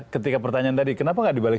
ketika pertanyaan tadi kenapa nggak dibalik